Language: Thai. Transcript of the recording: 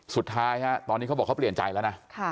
สุดท้ายฮะตอนนี้เขาบอกเขาเปลี่ยนใจแล้วนะ